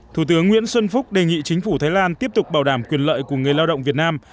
thủ tướng nguyễn xuân phúc đề nghị chính phủ thái lan tiếp tục bảo đảm quyền lợi của người lao động việt nam